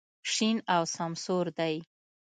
شین او سمسور دی.